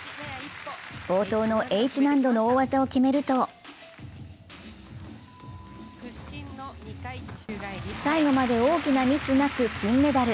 冒頭のＨ難度の大技を決めると最後まで大きなミスなく金メダル。